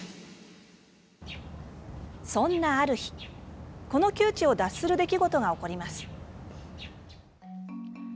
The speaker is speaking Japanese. そんなある日、この窮地を脱する出来事が起こります。